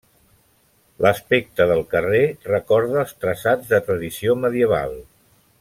L'aspecte del carrer recorda els traçats de tradició medieval.